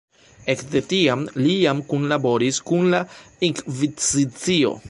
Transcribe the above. Ekde tiam li jam kunlaboris kun la Inkvizicio.